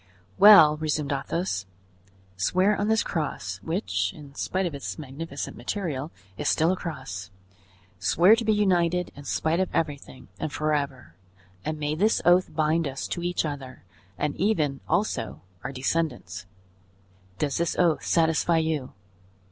"Well," resumed Athos, "swear on this cross, which, in spite of its magnificent material, is still a cross; swear to be united in spite of everything, and forever, and may this oath bind us to each other, and even, also, our descendants! Does this oath satisfy you?"